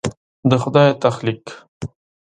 د خدای تخلیق